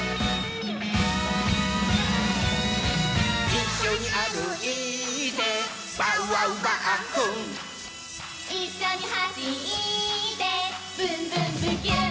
「いっしょにあるいてバウワウバッフン」「いっしょにはしってブンブンブキューン！」